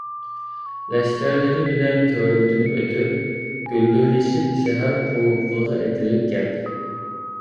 لەشكەرلىرى بىلەن كۆۋرۈكتىن ئۆتۈپ، گۈلدۈرلىشىپ شەھەر قوۋۇقىغا ئېتىلىپ كەلدى.